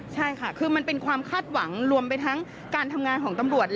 ใช่ค่ะคือมันเป็นความคาดหวังรวมไปทั้งการทำงานของตำรวจ